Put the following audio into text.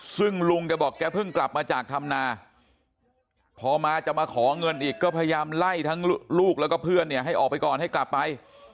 ซึ่งลุงแกบอกแกเพิ่งกลับมาจากธรรมนาพอมาจะมาขอเงินอีกก็พยายามไล่ทั้งลูกแล้วก็เพื่อนเนี่ยให้ออกไปก่อนให้กลับไป